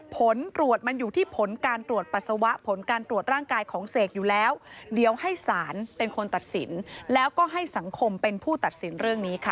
ผมการตรวจร่างกายของเสกอยู่แล้วเดี๋ยวให้สารเป็นคนตัดศิลป์แล้วก็ให้สังคมเป็นผู้ตัดศิลป์เรื่องนี้ค่ะ